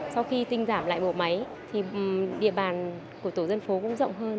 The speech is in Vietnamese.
sau khi tinh giảm lại bộ máy thì địa bàn của tổ dân phố cũng rộng hơn